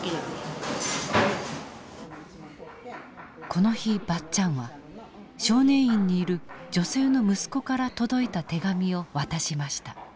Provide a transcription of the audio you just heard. この日ばっちゃんは少年院にいる女性の息子から届いた手紙を渡しました。